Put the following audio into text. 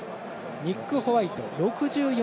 ニック・ホワイト６４